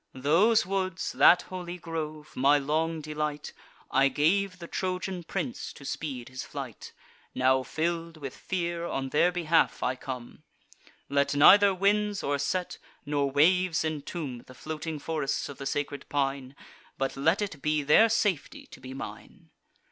Those woods, that holy grove, my long delight, I gave the Trojan prince, to speed his flight. Now, fill'd with fear, on their behalf I come; Let neither winds o'erset, nor waves intomb The floating forests of the sacred pine; But let it be their safety to be mine."